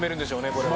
これは。